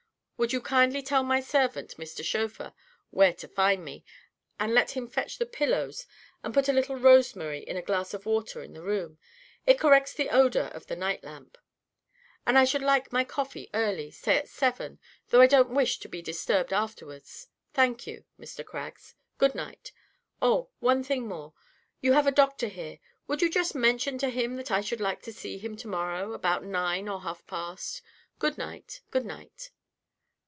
Would you kindly tell my servant, Mr. Schöfer, where to find me, and let him fetch the pillows, and put a little rosemary in a glass of water in the room, it corrects the odor of the night lamp. And I should like my coffee early, say at seven, though I don't wish to be disturbed afterwards. Thank you, Mr. Craggs, good night. Oh! one thing more. You have a doctor here: would you just mention to him that I should like to see him to morrow about nine or half past? Good night, good night."